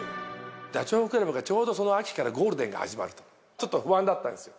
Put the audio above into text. ダチョウ倶楽部がちょうどその秋からゴールデンが始まると、ちょっと不安だったんですよ。